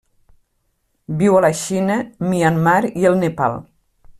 Viu a la Xina, Myanmar i el Nepal.